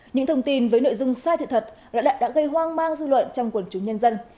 những thông tin với nội dung sai sự thật đã gây hoang mang dư luận trong quần chúng nhân dân